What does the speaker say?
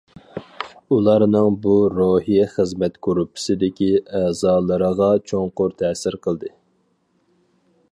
ئۇلارنىڭ بۇ روھى خىزمەت گۇرۇپپىسىدىكى ئەزالىرىغا چوڭقۇر تەسىر قىلدى.